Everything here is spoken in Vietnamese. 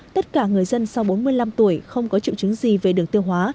tất cả người dân sau bốn mươi năm tuổi không có triệu chứng gì về đường tiêu hóa